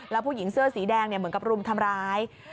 แล้วผู้หญิงเสื้อสีแดงเหมือนกับรุมทำร้าย